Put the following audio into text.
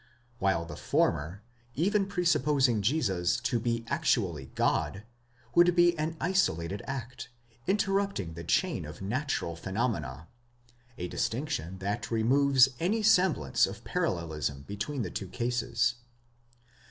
while the former, even presupposing Jesus to be actually God, would be an isolated act, interrupting the chain of natural phenomena; a distinction that removes any semblance of parallelism between the two cases.